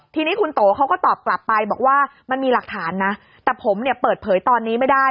ทีนี้คุณโตเขาก็ตอบกลับไปบอกว่ามันมีหลักฐานนะแต่ผมเนี่ยเปิดเผยตอนนี้ไม่ได้